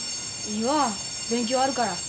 いいわ勉強あるから。